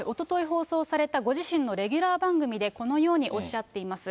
放送されたご自身のレギュラー番組で、このようにおっしゃっています。